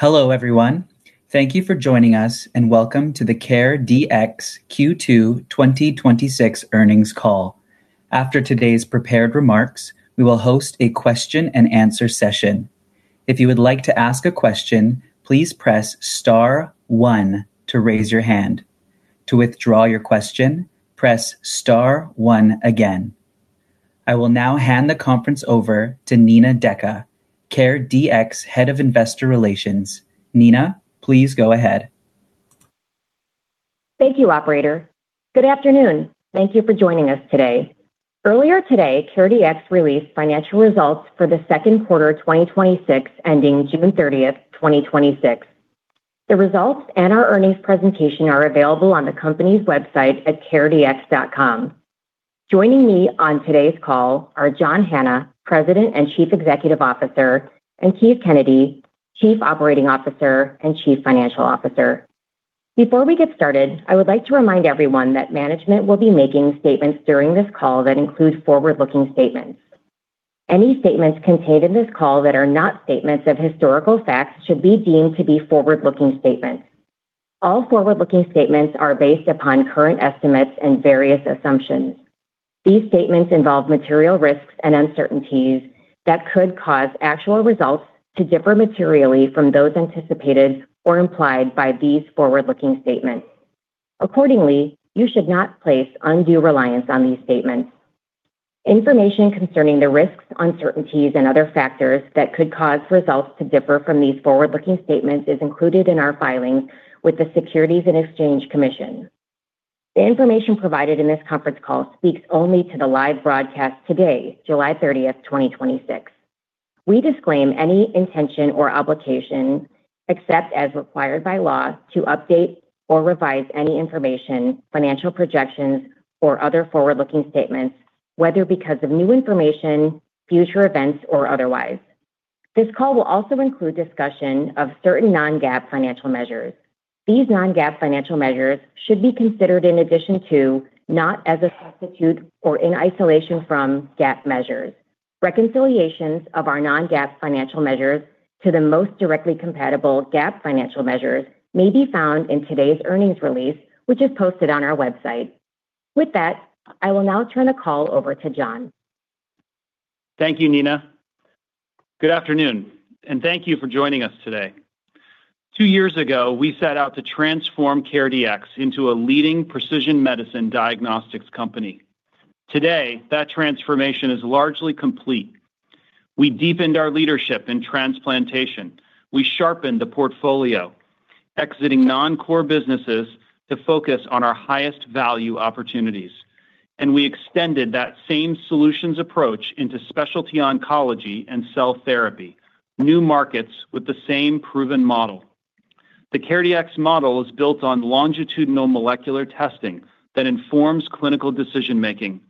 Hello, everyone. Thank you for joining us, and welcome to the CareDx Q2 2026 earnings call. After today's prepared remarks, we will host a question and answer session. If you would like to ask a question, please press star one to raise your hand. To withdraw your question, press star one again. I will now hand the conference over to Nina Deka, CareDx Head of Investor Relations. Nina, please go ahead. Thank you, operator. Good afternoon. Thank you for joining us today. Earlier today, CareDx released financial results for the second quarter 2026, ending June 30th, 2026. The results and our earnings presentation are available on the company's website at caredx.com. Joining me on today's call are John Hanna, President and Chief Executive Officer, and Keith Kennedy, Chief Operating Officer and Chief Financial Officer. Before we get started, I would like to remind everyone that management will be making statements during this call that include forward-looking statements. Any statements contained in this call that are not statements of historical facts should be deemed to be forward-looking statements. All forward-looking statements are based upon current estimates and various assumptions. These statements involve material risks and uncertainties that could cause actual results to differ materially from those anticipated or implied by these forward-looking statements. Accordingly, you should not place undue reliance on these statements. Information concerning the risks, uncertainties and other factors that could cause results to differ from these forward-looking statements is included in our filing with the Securities and Exchange Commission. The information provided in this conference call speaks only to the live broadcast today, July 30th, 2026. We disclaim any intention or obligation, except as required by law, to update or revise any information, financial projections or other forward-looking statements, whether because of new information, future events, or otherwise. This call will also include discussion of certain non-GAAP financial measures. These non-GAAP financial measures should be considered in addition to, not as a substitute or in isolation from, GAAP measures. Reconciliations of our non-GAAP financial measures to the most directly compatible GAAP financial measures may be found in today's earnings release, which is posted on our website. With that, I will now turn the call over to John. Thank you, Nina. Good afternoon, thank you for joining us today. Two years ago, we set out to transform CareDx into a leading precision medicine diagnostics company. Today, that transformation is largely complete. We deepened our leadership in transplantation. We sharpened the portfolio, exiting non-core businesses to focus on our highest value opportunities. We extended that same solutions approach into specialty oncology and cell therapy, new markets with the same proven model. The CareDx model is built on longitudinal molecular testing that informs clinical decision-making,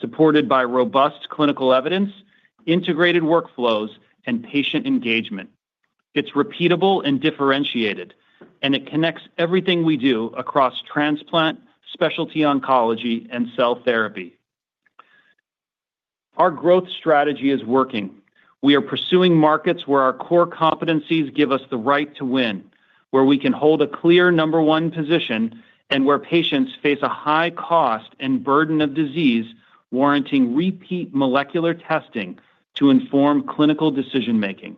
supported by robust clinical evidence, integrated workflows, and patient engagement. It's repeatable and differentiated, and it connects everything we do across transplant, specialty oncology, and cell therapy. Our growth strategy is working. We are pursuing markets where our core competencies give us the right to win, where we can hold a clear number one position, and where patients face a high cost and burden of disease warranting repeat molecular testing to inform clinical decision-making.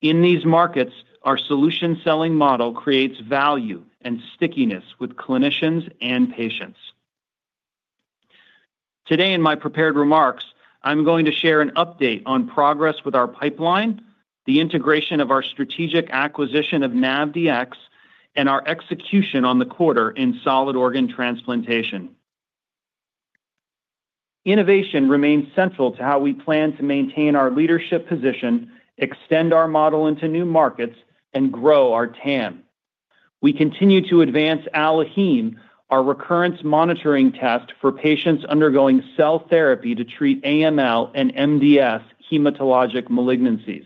In these markets, our solution-selling model creates value and stickiness with clinicians and patients. Today in my prepared remarks, I'm going to share an update on progress with our pipeline, the integration of our strategic acquisition of NavDx, and our execution on the quarter in solid organ transplantation. Innovation remains central to how we plan to maintain our leadership position, extend our model into new markets, and grow our TAM. We continue to advance AlloHeme, our recurrence monitoring test for patients undergoing cell therapy to treat AML and MDS hematologic malignancies.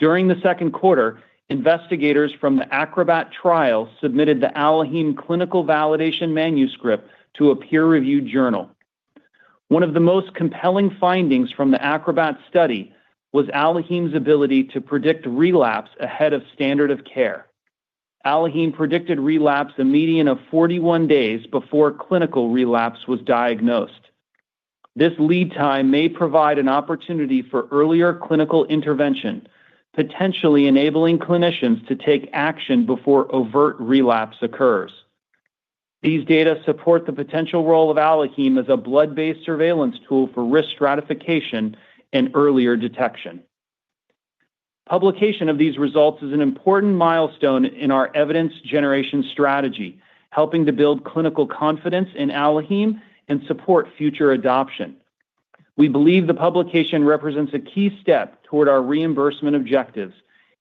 During the second quarter, investigators from the ACROBAT trial submitted the AlloHeme clinical validation manuscript to a peer-reviewed journal. One of the most compelling findings from the ACROBAT study was AlloHeme's ability to predict relapse ahead of standard of care. AlloHeme predicted relapse a median of 41 days before clinical relapse was diagnosed. This lead time may provide an opportunity for earlier clinical intervention, potentially enabling clinicians to take action before overt relapse occurs. These data support the potential role of AlloHeme as a blood-based surveillance tool for risk stratification and earlier detection. Publication of these results is an important milestone in our evidence generation strategy, helping to build clinical confidence in AlloHeme and support future adoption. We believe the publication represents a key step toward our reimbursement objectives,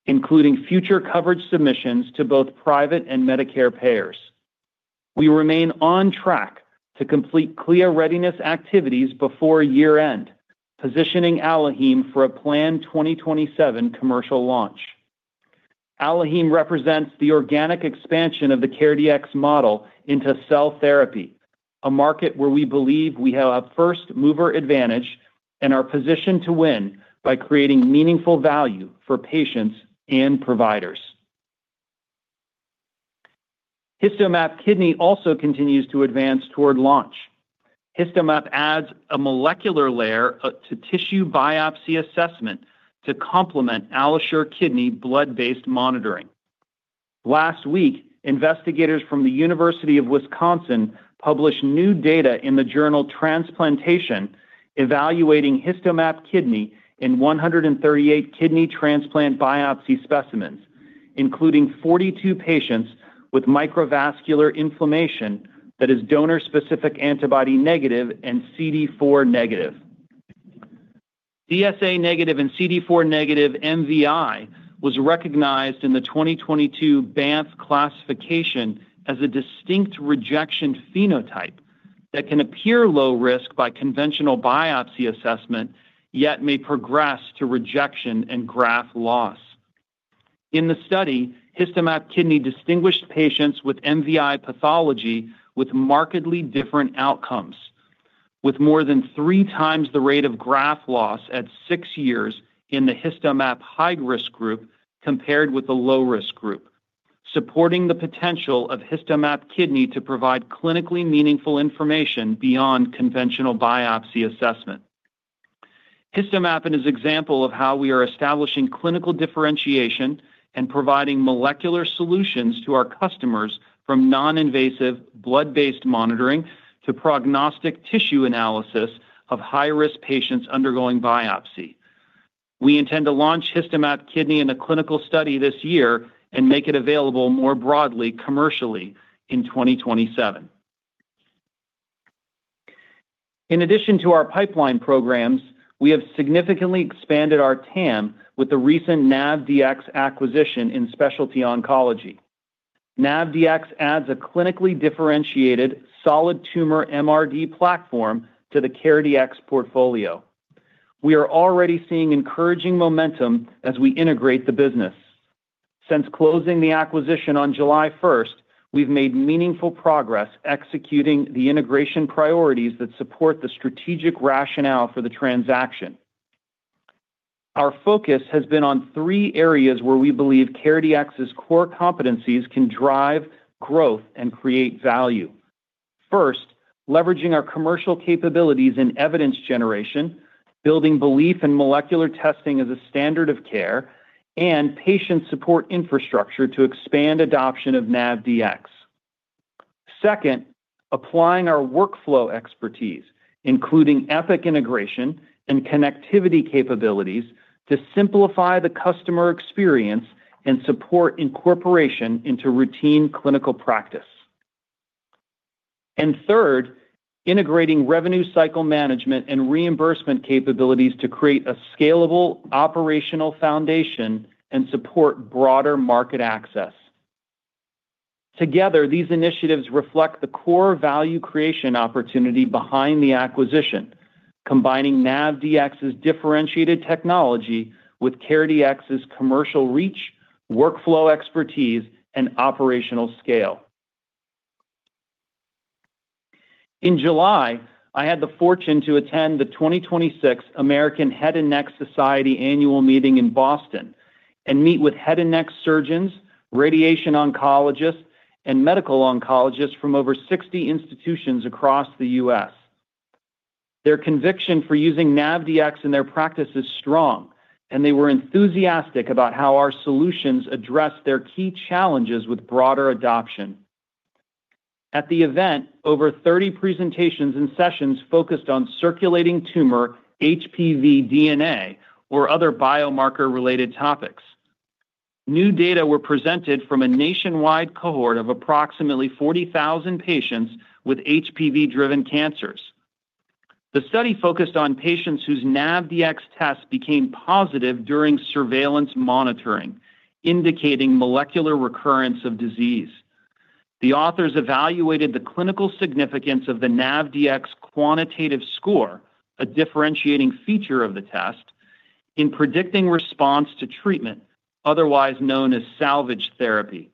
including future coverage submissions to both private and Medicare payers. We remain on track to complete CLIA readiness activities before year-end, positioning AlloHeme for a planned 2027 commercial launch. AlloHeme represents the organic expansion of the CareDx model into cell therapy, a market where we believe we have a first-mover advantage and are positioned to win by creating meaningful value for patients and providers. HistoMap Kidney also continues to advance toward launch. HistoMap adds a molecular layer to tissue biopsy assessment to complement AlloSure Kidney blood-based monitoring. Last week, investigators from the University of Wisconsin published new data in the journal Transplantation evaluating HistoMap Kidney in 138 kidney transplant biopsy specimens, including 42 patients with microvascular inflammation that is donor-specific antibody negative and C4d negative. DSA negative and C4d negative MVI was recognized in the 2022 Banff classification as a distinct rejection phenotype that can appear low risk by conventional biopsy assessment, yet may progress to rejection and graft loss. In the study, HistoMap Kidney distinguished patients with MVI pathology with markedly different outcomes, with more than three times the rate of graft loss at six years in the HistoMap high-risk group compared with the low-risk group, supporting the potential of HistoMap Kidney to provide clinically meaningful information beyond conventional biopsy assessment. HistoMap is an example of how we are establishing clinical differentiation and providing molecular solutions to our customers from non-invasive blood-based monitoring to prognostic tissue analysis of high-risk patients undergoing biopsy. We intend to launch HistoMap Kidney in a clinical study this year and make it available more broadly commercially in 2027. In addition to our pipeline programs, we have significantly expanded our TAM with the recent NavDx acquisition in specialty oncology. NavDx adds a clinically differentiated solid tumor MRD platform to the CareDx portfolio. We are already seeing encouraging momentum as we integrate the business. Since closing the acquisition on July 1st, we've made meaningful progress executing the integration priorities that support the strategic rationale for the transaction. Our focus has been on three areas where we believe CareDx's core competencies can drive growth and create value. First, leveraging our commercial capabilities in evidence generation, building belief in molecular testing as a standard of care, and patient support infrastructure to expand adoption of NavDx. Second, applying our workflow expertise, including Epic integration and connectivity capabilities, to simplify the customer experience and support incorporation into routine clinical practice. Third, integrating revenue cycle management and reimbursement capabilities to create a scalable operational foundation and support broader market access. Together, these initiatives reflect the core value creation opportunity behind the acquisition, combining NavDx's differentiated technology with CareDx's commercial reach, workflow expertise, and operational scale. In July, I had the fortune to attend the 2026 American Head and Neck Society Annual Meeting in Boston and meet with head and neck surgeons, radiation oncologists, and medical oncologists from over 60 institutions across the U.S. Their conviction for using NavDx in their practice is strong, and they were enthusiastic about how our solutions address their key challenges with broader adoption. At the event, over 30 presentations and sessions focused on circulating tumor HPV DNA or other biomarker-related topics. New data were presented from a nationwide cohort of approximately 40,000 patients with HPV-driven cancers. The study focused on patients whose NavDx tests became positive during surveillance monitoring, indicating molecular recurrence of disease. The authors evaluated the clinical significance of the NavDx quantitative score, a differentiating feature of the test, in predicting response to treatment, otherwise known as salvage therapy.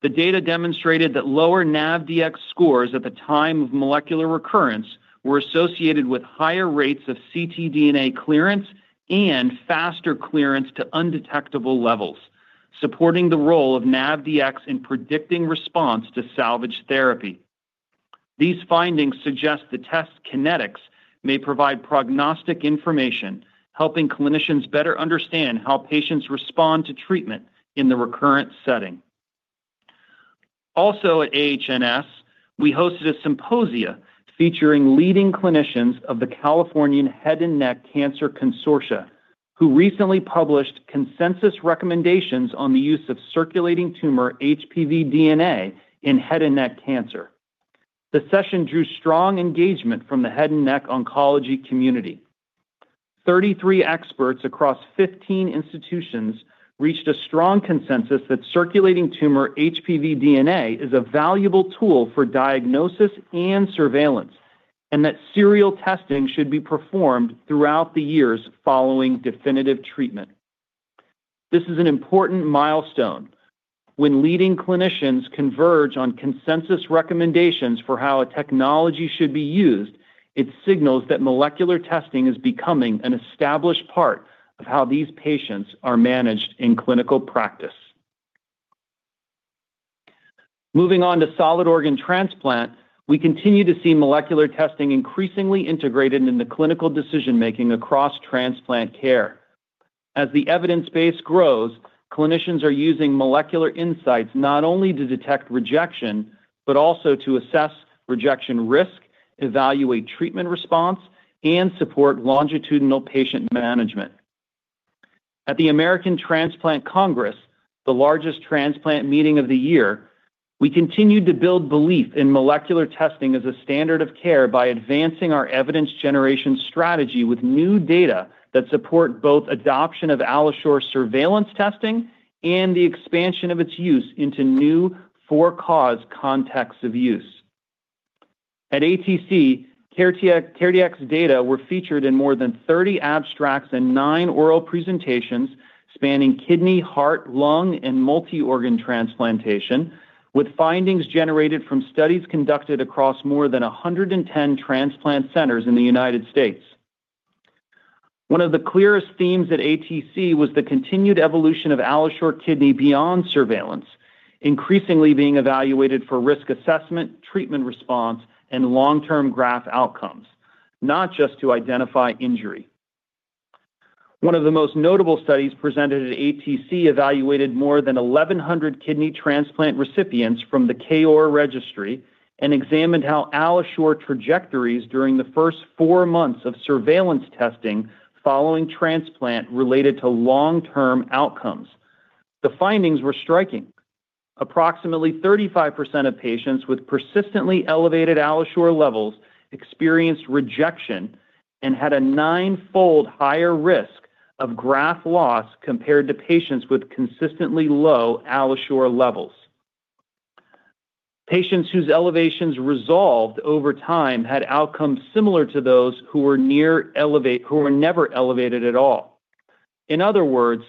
The data demonstrated that lower NavDx scores at the time of molecular recurrence were associated with higher rates of ctDNA clearance and faster clearance to undetectable levels, supporting the role of NavDx in predicting response to salvage therapy. These findings suggest the test kinetics may provide prognostic information, helping clinicians better understand how patients respond to treatment in the recurrent setting. Also at AHNS, we hosted a symposia featuring leading clinicians of the California Head and Neck Cancer Consortium, who recently published consensus recommendations on the use of circulating tumor HPV DNA in head and neck cancer. The session drew strong engagement from the head and neck oncology community. 33 experts across 15 institutions reached a strong consensus that circulating tumor HPV DNA is a valuable tool for diagnosis and surveillance and that serial testing should be performed throughout the years following definitive treatment. This is an important milestone when leading clinicians converge on consensus recommendations for how a technology should be used, it signals that molecular testing is becoming an established part of how these patients are managed in clinical practice. Moving on to solid organ transplant, we continue to see molecular testing increasingly integrated into clinical decision-making across transplant care. As the evidence base grows, clinicians are using molecular insights not only to detect rejection, but also to assess rejection risk, evaluate treatment response, and support longitudinal patient management. At the American Transplant Congress, the largest transplant meeting of the year, we continued to build belief in molecular testing as a standard of care by advancing our evidence generation strategy with new data that support both adoption of AlloSure surveillance testing and the expansion of its use into new for-cause contexts of use. At ATC, CareDx data were featured in more than 30 abstracts and nine oral presentations spanning kidney, heart, lung, and multi-organ transplantation with findings generated from studies conducted across more than 110 transplant centers in the U.S. One of the clearest themes at ATC was the continued evolution of AlloSure Kidney beyond surveillance, increasingly being evaluated for risk assessment, treatment response, and long-term graft outcomes, not just to identify injury. One of the most notable studies presented at ATC evaluated more than 1,100 kidney transplant recipients from the KOAR registry and examined how AlloSure trajectories during the first four months of surveillance testing following transplant related to long-term outcomes. The findings were striking. Approximately 35% of patients with persistently elevated AlloSure levels experienced rejection and had a nine-fold higher risk of graft loss compared to patients with consistently low AlloSure levels. Patients whose elevations resolved over time had outcomes similar to those who were never elevated at all. In other words,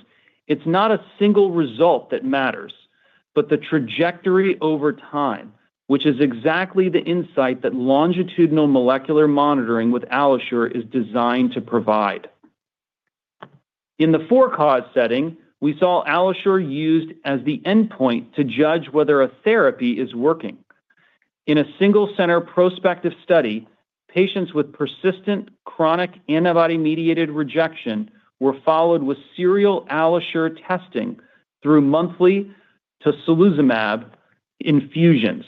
it's not a single result that matters, but the trajectory over time, which is exactly the insight that longitudinal molecular monitoring with AlloSure is designed to provide. In the for-cause setting, we saw AlloSure used as the endpoint to judge whether a therapy is working. In a single-center prospective study, patients with persistent chronic antibody-mediated rejection were followed with serial AlloSure testing through monthly tocilizumab infusions.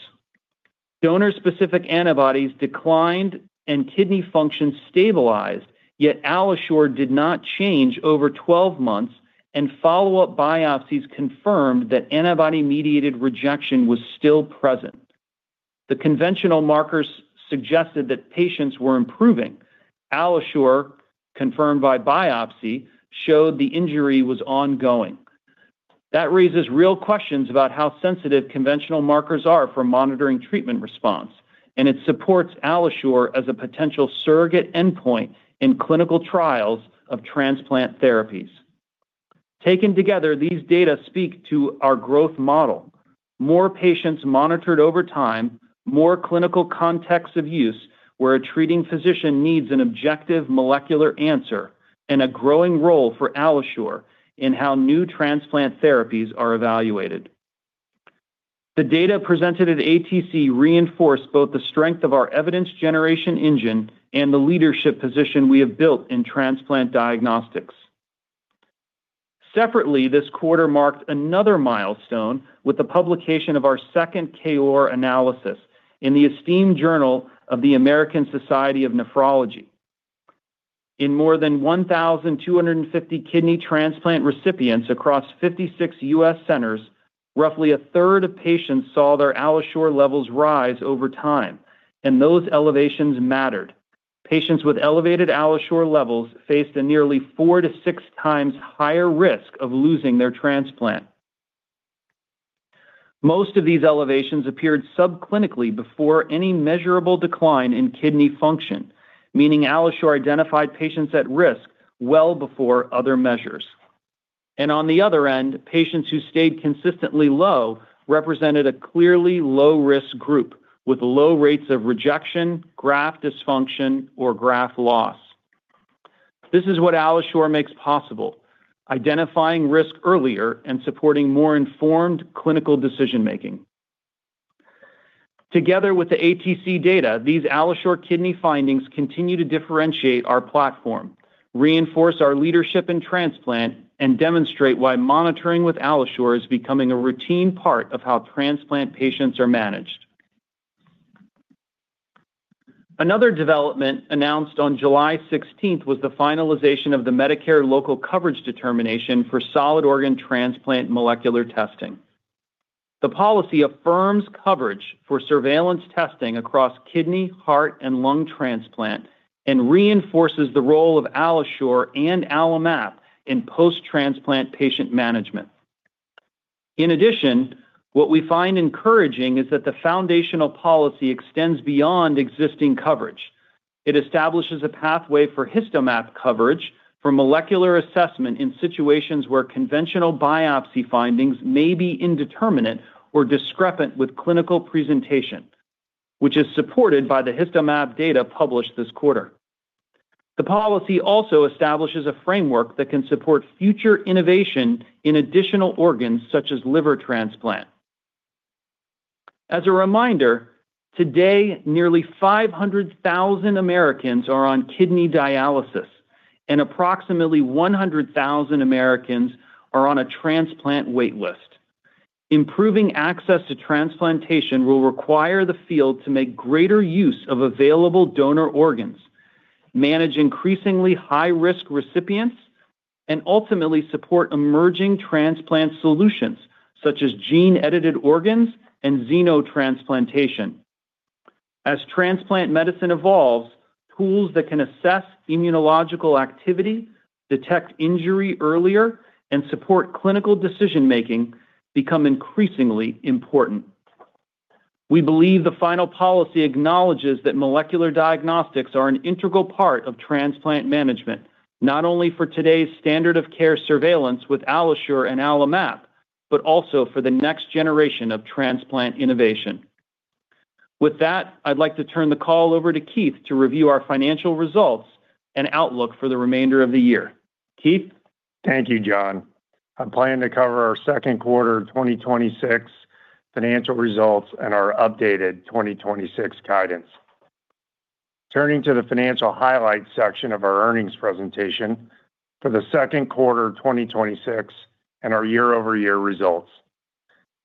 Donor-specific antibodies declined and kidney function stabilized, yet AlloSure did not change over 12 months, and follow-up biopsies confirmed that antibody-mediated rejection was still present. The conventional markers suggested that patients were improving. AlloSure, confirmed by biopsy, showed the injury was ongoing. That raises real questions about how sensitive conventional markers are for monitoring treatment response, and it supports AlloSure as a potential surrogate endpoint in clinical trials of transplant therapies. Taken together, these data speak to our growth model. More patients monitored over time, more clinical contexts of use where a treating physician needs an objective molecular answer, and a growing role for AlloSure in how new transplant therapies are evaluated. The data presented at ATC reinforce both the strength of our evidence generation engine and the leadership position we have built in transplant diagnostics. Separately, this quarter marked another milestone with the publication of our second KOAR analysis in the esteemed Journal of the American Society of Nephrology. In more than 1,250 kidney transplant recipients across 56 U.S. centers, roughly a third of patients saw their AlloSure levels rise over time, and those elevations mattered. Patients with elevated AlloSure levels faced a nearly four to six times higher risk of losing their transplant. Most of these elevations appeared subclinically before any measurable decline in kidney function, meaning AlloSure identified patients at risk well before other measures. On the other end, patients who stayed consistently low represented a clearly low-risk group with low rates of rejection, graft dysfunction, or graft loss. This is what AlloSure makes possible: identifying risk earlier and supporting more informed clinical decision-making. Together with the ATC data, these AlloSure Kidney findings continue to differentiate our platform, reinforce our leadership in transplant, and demonstrate why monitoring with AlloSure is becoming a routine part of how transplant patients are managed. Another development announced on July 16th was the finalization of the Medicare Local Coverage Determination for solid organ transplant molecular testing. The policy affirms coverage for surveillance testing across kidney, heart, and lung transplant and reinforces the role of AlloSure and AlloMap in post-transplant patient management. In addition, what we find encouraging is that the foundational policy extends beyond existing coverage. It establishes a pathway for HistoMap coverage for molecular assessment in situations where conventional biopsy findings may be indeterminate or discrepant with clinical presentation, which is supported by the HistoMap data published this quarter. The policy also establishes a framework that can support future innovation in additional organs such as liver transplant. As a reminder, today, nearly 500,000 Americans are on kidney dialysis, and approximately 100,000 Americans are on a transplant wait list. Improving access to transplantation will require the field to make greater use of available donor organs, manage increasingly high-risk recipients, and ultimately support emerging transplant solutions such as gene-edited organs and xenotransplantation. As transplant medicine evolves, tools that can assess immunological activity, detect injury earlier, and support clinical decision-making become increasingly important. We believe the final policy acknowledges that molecular diagnostics are an integral part of transplant management, not only for today's standard of care surveillance with AlloSure and AlloMap, but also for the next generation of transplant innovation. With that, I'd like to turn the call over to Keith to review our financial results and outlook for the remainder of the year. Keith? Thank you, John. I plan to cover our second quarter 2026 financial results and our updated 2026 guidance. Turning to the financial highlights section of our earnings presentation for the second quarter of 2026 and our year-over-year results.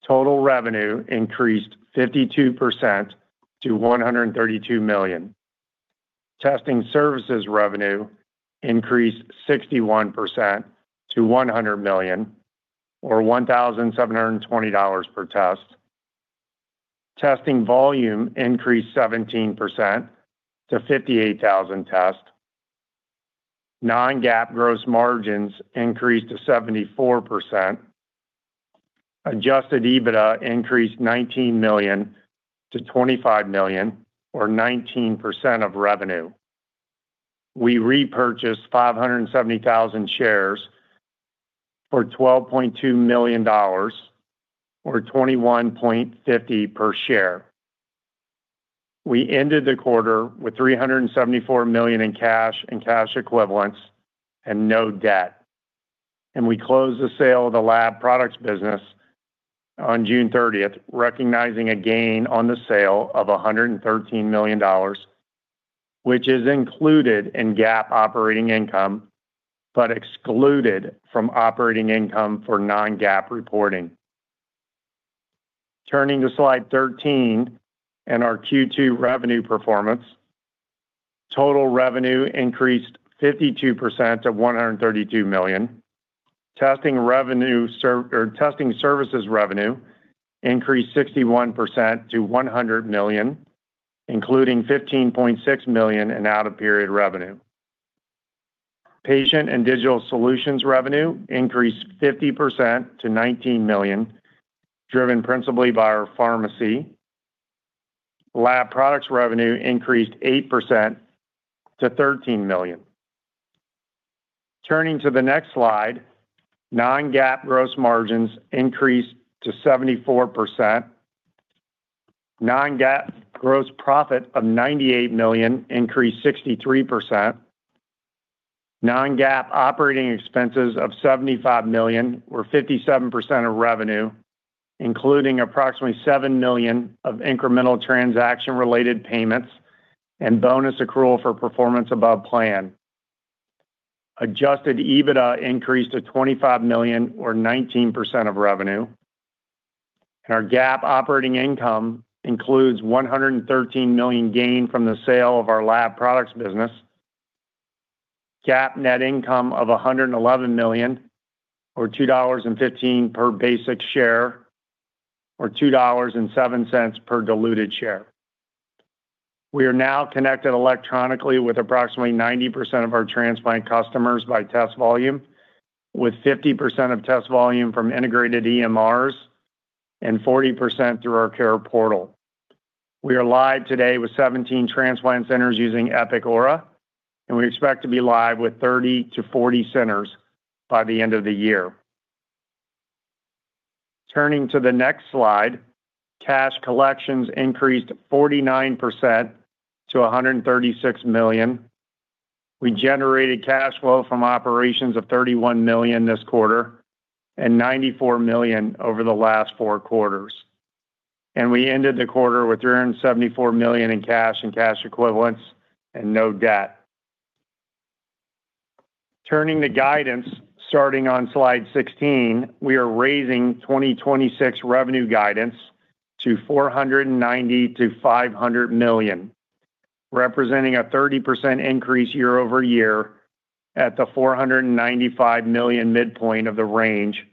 Total revenue increased 52% to $132 million. Testing services revenue increased 61% to $100 million or $1,720 per test. Testing volume increased 17% to 58,000 tests. Non-GAAP gross margins increased to 74%. Adjusted EBITDA increased $19 million to $25 million or 19% of revenue. We repurchased 570,000 shares for $12.2 million or $21.50 per share. We ended the quarter with $374 million in cash and cash equivalents and no debt. We closed the sale of the lab products business on June 30th, recognizing a gain on the sale of $113 million, which is included in GAAP operating income, but excluded from operating income for non-GAAP reporting. Turning to slide 13 and our Q2 revenue performance. Total revenue increased 52% to $132 million. Testing services revenue increased 61% to $100 million, including $15.6 million in out-of-period revenue. Patient and digital solutions revenue increased 50% to $19 million, driven principally by our pharmacy. Lab products revenue increased 8% to $13 million. Turning to the next slide, non-GAAP gross margins increased to 74%. Non-GAAP gross profit of $98 million increased 63%. Non-GAAP operating expenses of $75 million or 57% of revenue, including approximately $7 million of incremental transaction-related payments and bonus accrual for performance above plan. Adjusted EBITDA increased to $25 million or 19% of revenue. Our GAAP operating income includes $113 million gain from the sale of our lab products business, GAAP net income of $111 million or $2.15 per basic share, or $2.07 per diluted share. We are now connected electronically with approximately 90% of our transplant customers by test volume, with 50% of test volume from integrated EMRs and 40% through our care portal. We are live today with 17 transplant centers using Epic Aura, and we expect to be live with 30 to 40 centers by the end of the year. Turning to the next slide, cash collections increased 49% to $136 million. We generated cash flow from operations of $31 million this quarter and $94 million over the last four quarters. We ended the quarter with $374 million in cash and cash equivalents and no debt. Turning to guidance, starting on slide 16, we are raising 2026 revenue guidance to $490 million-$500 million, representing a 30% increase year-over-year at the $495 million midpoint of the range,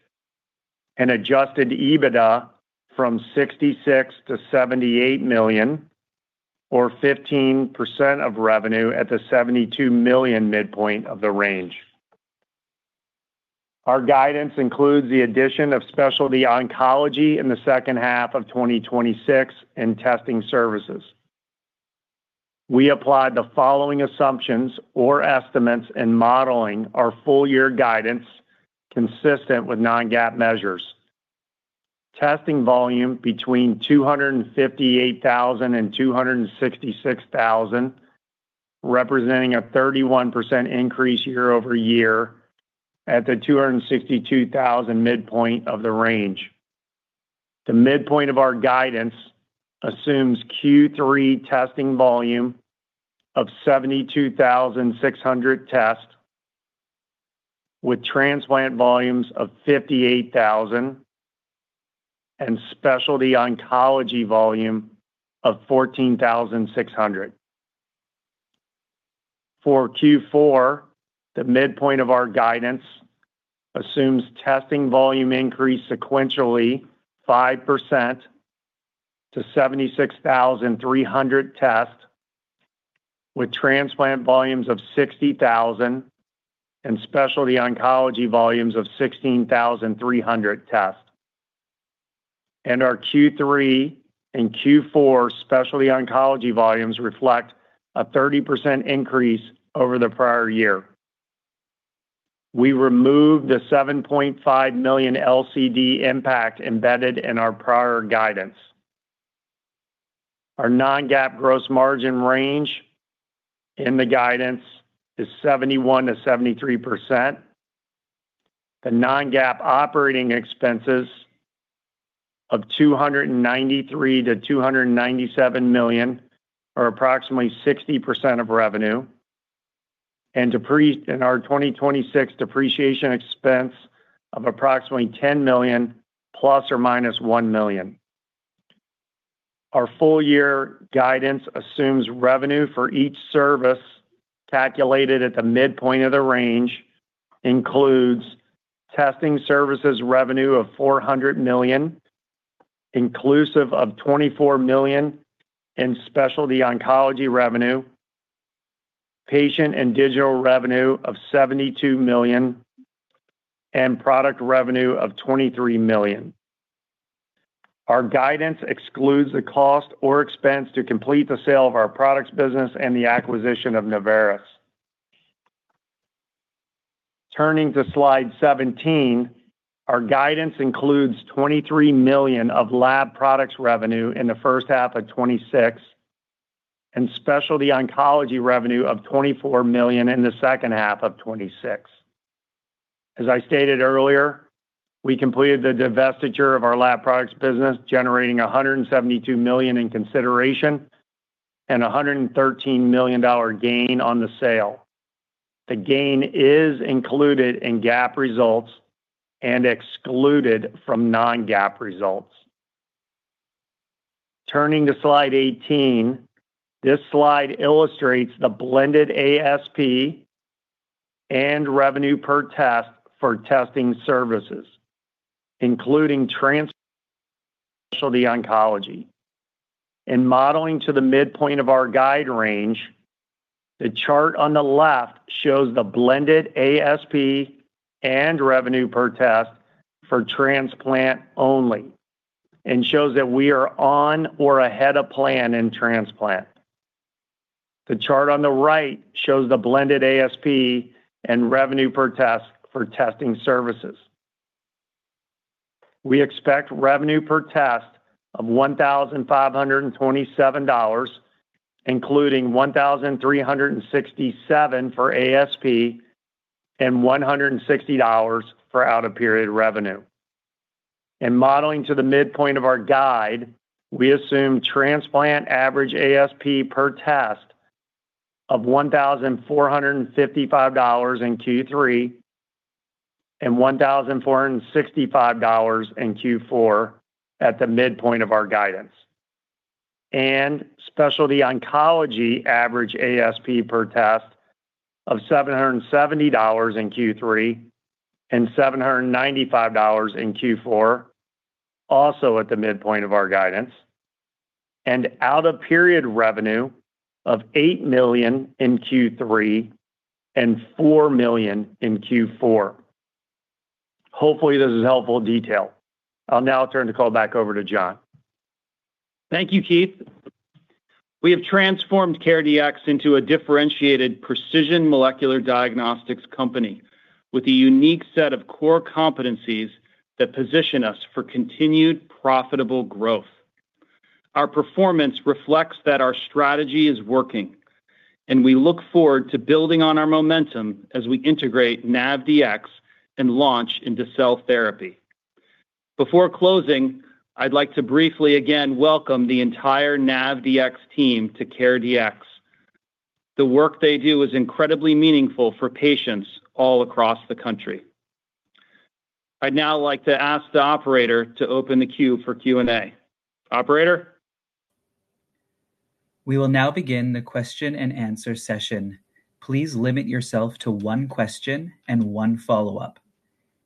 and adjusted EBITDA from $66 million-$78 million or 15% of revenue at the $72 million midpoint of the range. Our guidance includes the addition of specialty oncology in the second half of 2026 and testing services. We applied the following assumptions or estimates in modeling our full year guidance consistent with non-GAAP measures. Testing volume between 258,000 and 266,000, representing a 31% increase year-over-year at the 262,000 midpoint of the range. The midpoint of our guidance assumes Q3 testing volume of 72,600 tests with transplant volumes of 58,000 and specialty oncology volume of 14,600. For Q4, the midpoint of our guidance assumes testing volume increase sequentially 5% to 76,300 tests, with transplant volumes of 60,000 and specialty oncology volumes of 16,300 tests. Our Q3 and Q4 specialty oncology volumes reflect a 30% increase over the prior year. We removed the $7.5 million LCD impact embedded in our prior guidance. Our non-GAAP gross margin range in the guidance is 71%-73%. The non-GAAP operating expenses of $293 million-$297 million are approximately 60% of revenue. In our 2026 depreciation expense of approximately $10 million, ±$1 million. Our full year guidance assumes revenue for each service calculated at the midpoint of the range, includes testing services revenue of $400 million, inclusive of $24 million in specialty oncology revenue, patient and digital revenue of $72 million, and product revenue of $23 million. Our guidance excludes the cost or expense to complete the sale of our products business and the acquisition of Naveris. Turning to slide 17, our guidance includes $23 million of lab products revenue in the first half of 2026, and specialty oncology revenue of $24 million in the second half of 2026. As I stated earlier, we completed the divestiture of our lab products business, generating $172 million in consideration and $113 million gain on the sale. The gain is included in GAAP results and excluded from non-GAAP results. Turning to slide 18, this slide illustrates the blended ASP and revenue per test for testing services, including trans specialty oncology. In modeling to the midpoint of our guide range, the chart on the left shows the blended ASP and revenue per test for transplant only, and shows that we are on or ahead of plan in transplant. The chart on the right shows the blended ASP and revenue per test for testing services. We expect revenue per test of $1,527, including $1,367 for ASP and $160 for out-of-period revenue. In modeling to the midpoint of our guide, we assume transplant average ASP per test of $1,455 in Q3 and $1,465 in Q4 at the midpoint of our guidance, and specialty oncology average ASP per test of $770 in Q3 and $795 in Q4, also at the midpoint of our guidance, and out-of-period revenue of $8 million in Q3 and $4 million in Q4. Hopefully, this is helpful detail. I'll now turn the call back over to John. Thank you, Keith. We have transformed CareDx into a differentiated precision molecular diagnostics company with a unique set of core competencies that position us for continued profitable growth. Our performance reflects that our strategy is working, and we look forward to building on our momentum as we integrate NavDx and launch into cell therapy. Before closing, I'd like to briefly again welcome the entire NavDx team to CareDx. The work they do is incredibly meaningful for patients all across the country. I'd now like to ask the operator to open the queue for Q&A. Operator? We will now begin the question and answer session. Please limit yourself to one question and one follow-up.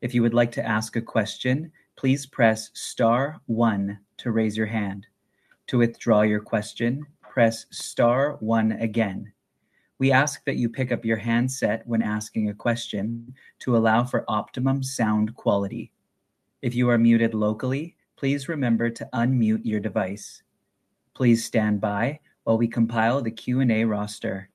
If you would like to ask a question, please press star one to raise your hand. To withdraw your question, press star one again. We ask that you pick up your handset when asking a question to allow for optimum sound quality. If you are muted locally, please remember to unmute your device. Please stand by while we compile the Q&A roster.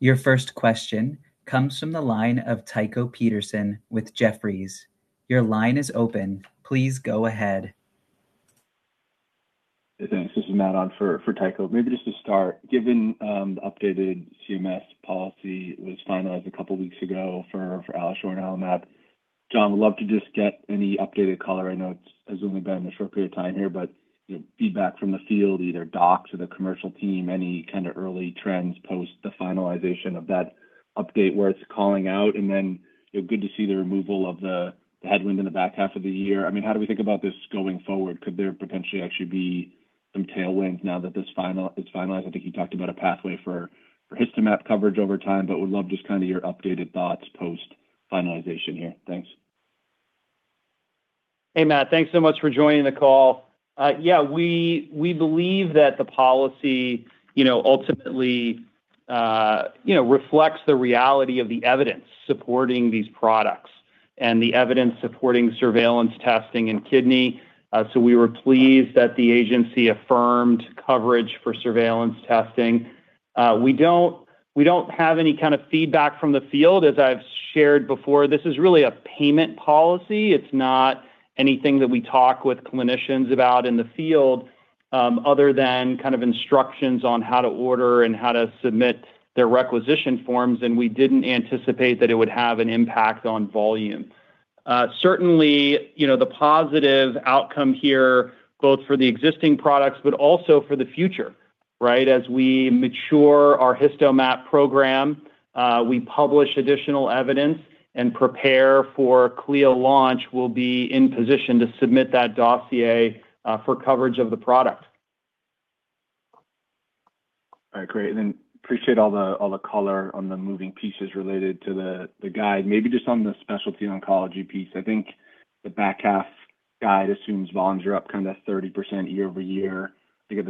Your first question comes from the line of Tycho Peterson with Jefferies. Your line is open. Please go ahead. Thanks. This is Matt on for Tycho. Maybe just to start, given the updated CMS policy was finalized a couple of weeks ago for AlloSure and AlloMap, John, would love to just get any updated color. I know it's only been a short period of time here, but feedback from the field, either docs or the commercial team, any kind of early trends post the finalization of that update where it's calling out and then good to see the removal of the headwind in the back half of the year. How do we think about this going forward? Could there potentially actually be some tailwinds now that this is finalized? I think you talked about a pathway for HistoMap coverage over time, but would love just your updated thoughts post finalization here. Thanks. Hey, Matt. Thanks so much for joining the call. Yeah, we believe that the policy ultimately reflects the reality of the evidence supporting these products and the evidence supporting surveillance testing in kidney. We were pleased that the agency affirmed coverage for surveillance testing. We don't have any kind of feedback from the field. As I've shared before, this is really a payment policy. It's not anything that we talk with clinicians about in the field other than instructions on how to order and how to submit their requisition forms. We didn't anticipate that it would have an impact on volume. Certainly, the positive outcome here, both for the existing products, but also for the future, right? As we mature our HistoMap program, we publish additional evidence and prepare for CLIA launch, we'll be in position to submit that dossier for coverage of the product. All right, great. Appreciate all the color on the moving pieces related to the guide. Maybe just on the specialty oncology piece, I think the back half guide assumes volumes are up kind of that 30% year-over-year. I think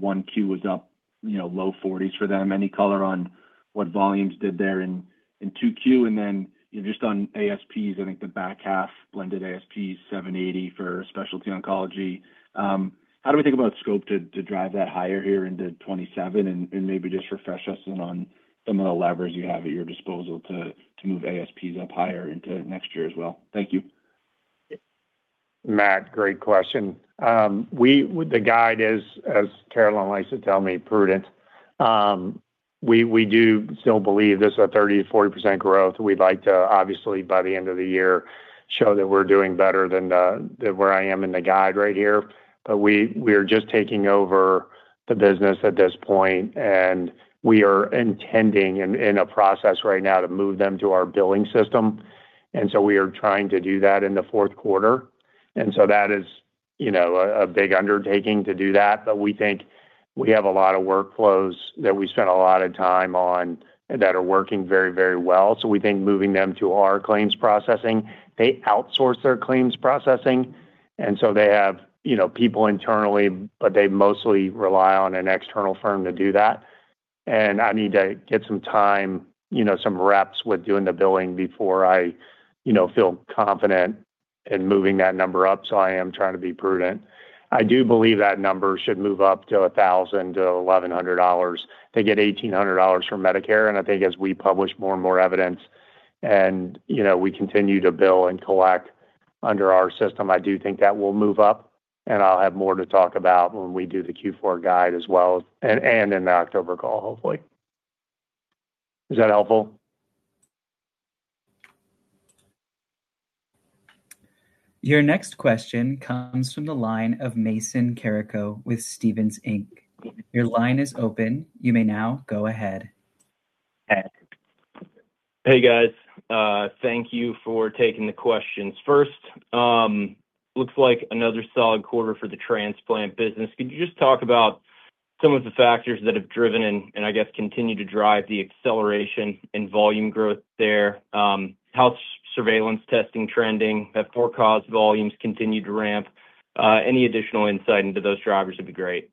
1Q was up low 40s for them. Any color on what volumes did there in 2Q? Just on ASPs, I think the back half blended ASP is $780 for specialty oncology. How do we think about scope to drive that higher here into 2027? Maybe just refresh us in on some of the levers you have at your disposal to move ASPs up higher into next year as well. Thank you. Matt, great question. The guide is, as Carolyn likes to tell me, prudent. We do still believe this is a 30%-40% growth. We'd like to, obviously, by the end of the year, show that we're doing better than where I am in the guide right here. We are just taking over the business at this point, and we are intending and in a process right now to move them to our billing system. We are trying to do that in the fourth quarter. That is a big undertaking to do that. We think we have a lot of workflows that we spent a lot of time on that are working very well. We think moving them to our claims processing, they outsource their claims processing. They have people internally, but they mostly rely on an external firm to do that. I need to get some time, some reps with doing the billing before I feel confident in moving that number up. I am trying to be prudent. I do believe that number should move up to $1,000-$1,100. They get $1,800 from Medicare, and I think as we publish more and more evidence and we continue to bill and collect under our system, I do think that will move up, and I'll have more to talk about when we do the Q4 guide as well and in the October call, hopefully. Is that helpful? Your next question comes from the line of Mason Carrico with Stephens Inc. Your line is open. You may now go ahead. Hey. Hey, guys. Thank you for taking the questions. First, looks like another solid quarter for the transplant business. Could you just talk about some of the factors that have driven and, I guess, continue to drive the acceleration in volume growth there? How's surveillance testing trending? Have for-cause volumes continued to ramp? Any additional insight into those drivers would be great.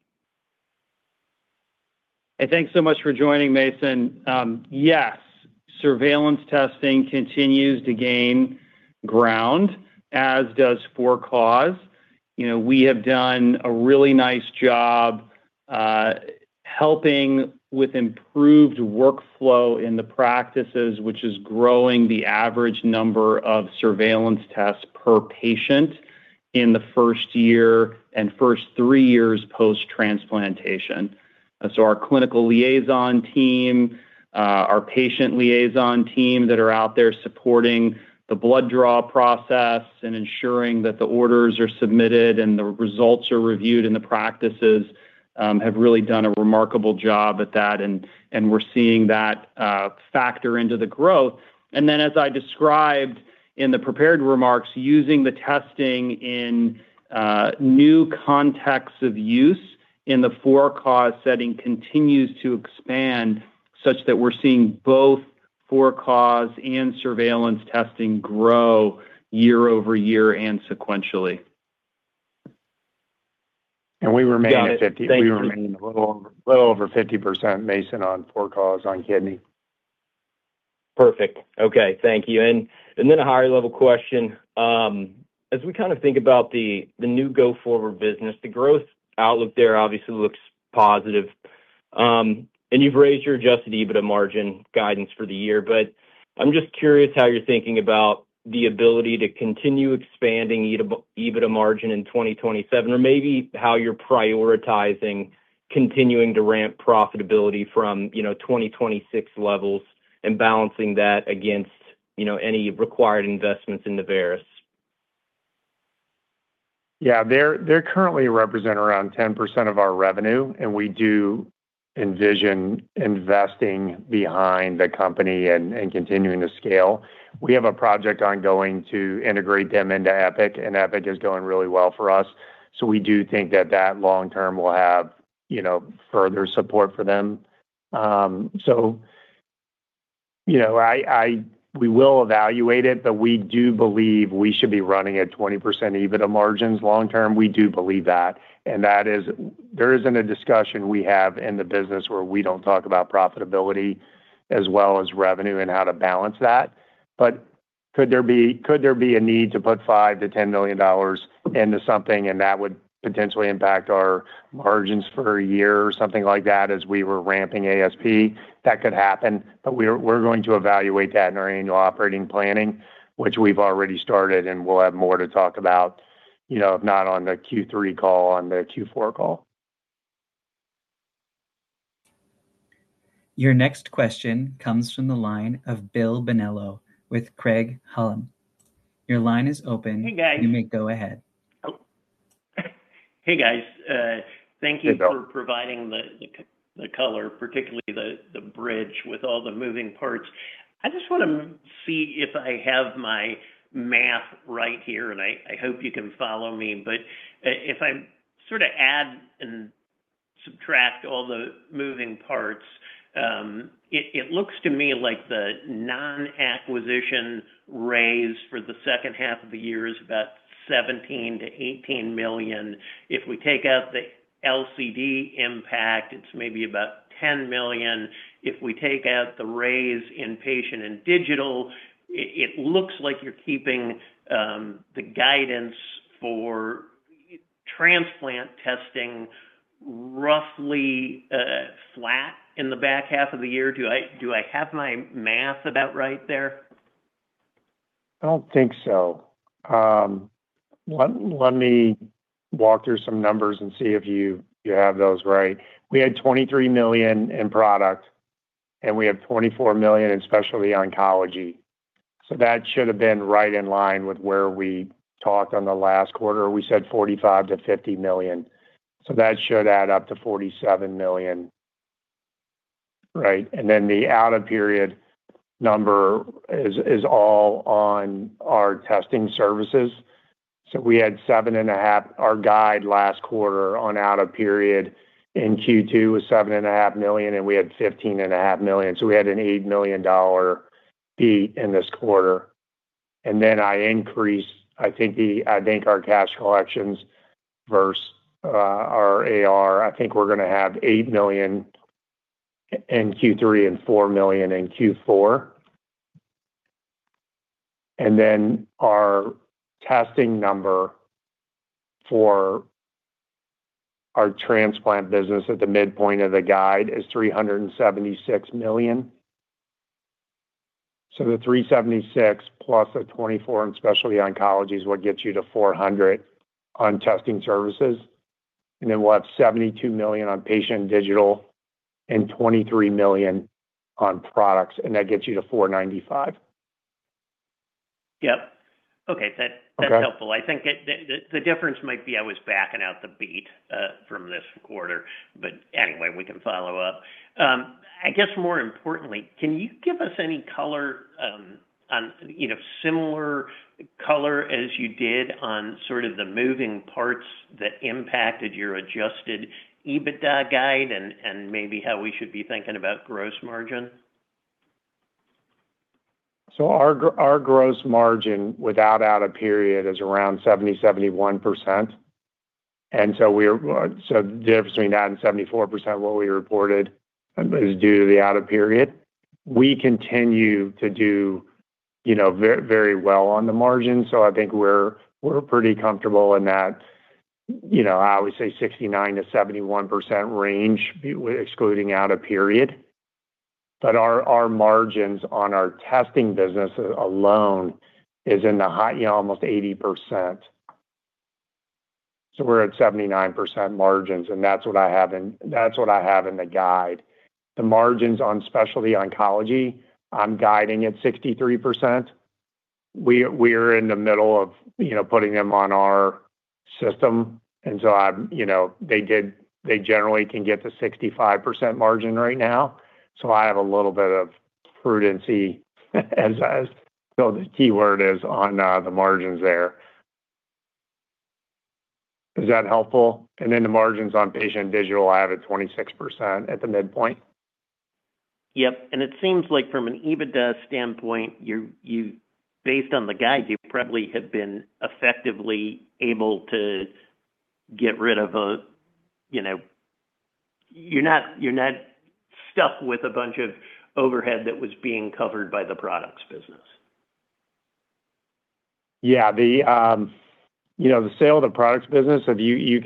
Hey, thanks so much for joining, Mason. Yes, surveillance testing continues to gain ground, as does for-cause. We have done a really nice job helping with improved workflow in the practices, which is growing the average number of surveillance tests per patient in the first year and first three years post-transplantation. Our clinical liaison team, our patient liaison team that are out there supporting the blood draw process and ensuring that the orders are submitted and the results are reviewed in the practices, have really done a remarkable job at that. We're seeing that factor into the growth. As I described In the prepared remarks, using the testing in new contexts of use in the for-cause setting continues to expand such that we're seeing both for-cause and surveillance testing grow year-over-year and sequentially. we remain- Got it. Thank you a little over 50%, Mason, on for-cause on kidney. Perfect. Okay. Thank you. Then a higher level question. As we think about the new go-forward business, the growth outlook there obviously looks positive. You've raised your adjusted EBITDA margin guidance for the year, but I'm just curious how you're thinking about the ability to continue expanding EBITDA margin in 2027, or maybe how you're prioritizing continuing to ramp profitability from 2026 levels and balancing that against any required investments in Naveris. Yeah. They currently represent around 10% of our revenue, we do envision investing behind the company and continuing to scale. We have a project ongoing to integrate them into Epic is going really well for us. We do think that that long term will have further support for them. We will evaluate it, but we do believe we should be running at 20% EBITDA margins long term. We do believe that. There isn't a discussion we have in the business where we don't talk about profitability as well as revenue and how to balance that. Could there be a need to put $5 million to $10 million into something, and that would potentially impact our margins for a year or something like that as we were ramping ASP? That could happen, we're going to evaluate that in our annual operating planning, which we've already started, we'll have more to talk about, if not on the Q3 call, on the Q4 call. Your next question comes from the line of Bill Bonello with Craig-Hallum. Your line is open. Hey, guys. You may go ahead. Hey, guys. Hey, Bill. Thank you for providing the color, particularly the bridge with all the moving parts. I just want to see if I have my math right here, and I hope you can follow me. If I add and subtract all the moving parts, it looks to me like the non-acquisition raise for the second half of the year is about $17 million-$18 million. If we take out the LCD impact, it's maybe about $10 million. If we take out the raise in patient and digital, it looks like you're keeping the guidance for transplant testing roughly flat in the back half of the year. Do I have my math about right there? I don't think so. Let me walk through some numbers and see if you have those right. We had $23 million in product, and we had $24 million in specialty oncology. That should have been right in line with where we talked on the last quarter. We said $45 million-$50 million. That should add up to $47 million. Right. The out-of-period number is all on our testing services. Our guide last quarter on out-of-period in Q2 was $7.5 million, and we had $15.5 million. We had an $8 million beat in this quarter. I increased, I think our cash collections versus our AR. I think we're going to have $8 million in Q3 and $4 million in Q4. Our testing number for our transplant business at the midpoint of the guide is $376 million. The $376 plus the $24 in specialty oncology is what gets you to $400 on testing services. We'll have $72 million on patient and digital and $23 million on products, and that gets you to $495. Yep. Okay. Okay. That's helpful. I think the difference might be I was backing out the beat from this quarter, but anyway, we can follow up. I guess more importantly, can you give us any similar color as you did on sort of the moving parts that impacted your adjusted EBITDA guide and maybe how we should be thinking about gross margin? Our gross margin without out-of-period is around 70%, 71%. The difference between that and 74%, what we reported, is due to the out-of-period. We continue to do very well on the margin, so I think we're pretty comfortable in that, I would say 69%-71% range, excluding out-of-period. Our margins on our testing business alone is in the high, almost 80%. We're at 79% margins, and that's what I have in the guide. The margins on specialty oncology, I'm guiding at 63%. We're in the middle of putting them on our system. They generally can get to 65% margin right now. I have a little bit of prudency as the keyword is on the margins there. Is that helpful? The margins on patient digital, I have it 26% at the midpoint. Yep. It seems like from an EBITDA standpoint, based on the guide, you probably have been effectively able to get rid of. You're not stuck with a bunch of overhead that was being covered by the products business. Yeah. The sale of the products business, we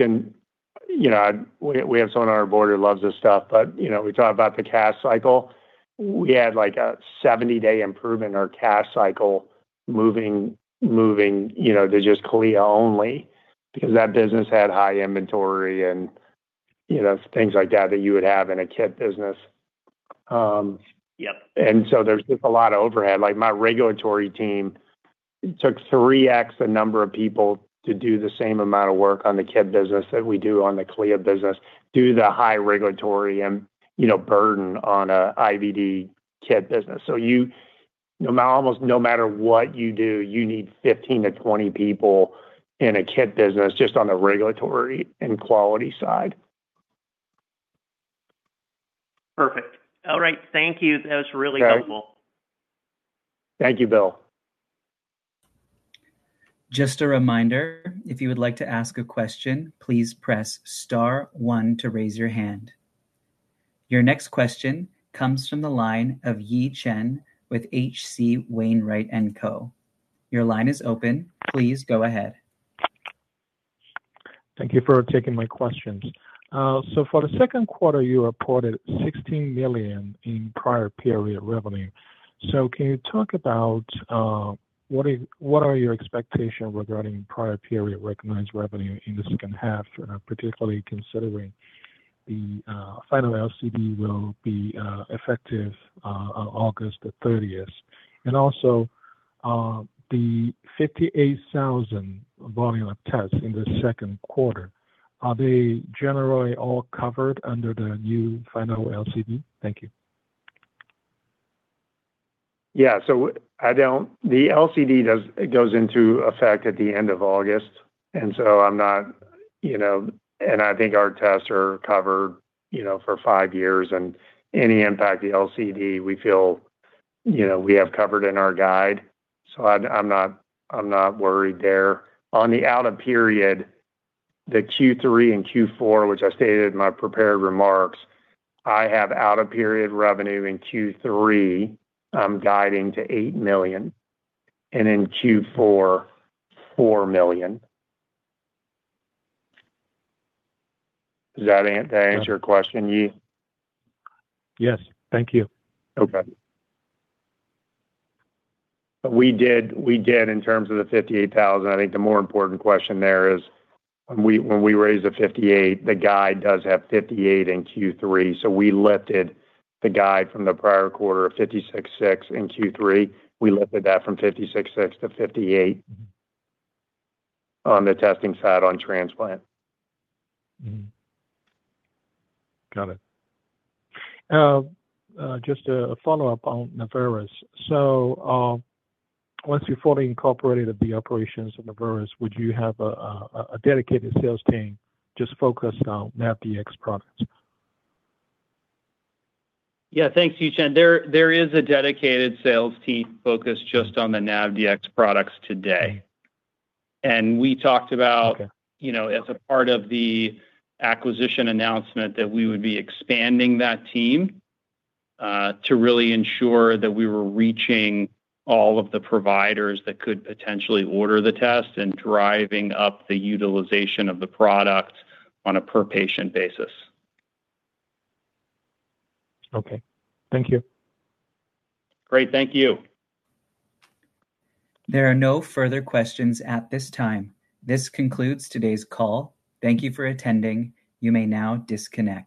have someone on our board who loves this stuff, but we talk about the cash cycle. We had a 70-day improvement in our cash cycle moving to just CLIA-only, because that business had high inventory and things like that you would have in a kit business. Yep. There's just a lot of overhead. My regulatory team, it took 3X the number of people to do the same amount of work on the kit business that we do on the CLIA business due to the high regulatory burden on an IVD kit business. Almost no matter what you do, you need 15 to 20 people in a kit business just on the regulatory and quality side. Perfect. All right. Thank you. That was really helpful. Thank you, Bill. Just a reminder, if you would like to ask a question, please press star one to raise your hand. Your next question comes from the line of Yi Chen with H.C. Wainwright & Co. Your line is open. Please go ahead. Thank you for taking my questions. For the second quarter, you reported $16 million in prior period revenue. Can you talk about what are your expectation regarding prior period recognized revenue in the second half, particularly considering the final LCD will be effective August 30th. Also, the 58,000 volume of tests in the second quarter, are they generally all covered under the new final LCD? Thank you. The LCD goes into effect at the end of August. I think our tests are covered for five years, and any impact the LCD, we feel we have covered in our guide. I'm not worried there. On the out-of-period, the Q3 and Q4, which I stated in my prepared remarks, I have out-of-period revenue in Q3 I'm guiding to $8 million. In Q4, $4 million. Does that answer your question, Yi? Yes. Thank you. We did in terms of the 58,000. I think the more important question there is when we raised the 58, the guide does have 58 in Q3. We lifted the guide from the prior quarter of 56.6 in Q3. We lifted that from 56.6 to 58 on the testing side on transplant. Got it. Just a follow-up on Naveris. Once you've fully incorporated the operations of Naveris, would you have a dedicated sales team just focused on NavDx products? Thanks, Yi Chen. There is a dedicated sales team focused just on the NavDx products today. Okay as a part of the acquisition announcement, that we would be expanding that team to really ensure that we were reaching all of the providers that could potentially order the test and driving up the utilization of the product on a per-patient basis. Okay. Thank you. Great. Thank you. There are no further questions at this time. This concludes today's call. Thank you for attending. You may now disconnect.